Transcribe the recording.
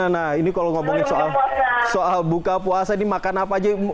nah ini kalau ngomongin soal buka puasa ini makan apa aja